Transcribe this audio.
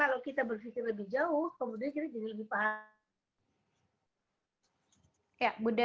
kalau kita berpikir lebih jauh kemudian